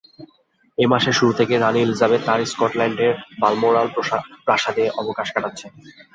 এ মাসের শুরু থেকেই রানি এলিজাবেথ তাঁর স্কটল্যান্ডের বালমোরাল প্রাসাদে অবকাশ কাটাচ্ছেন।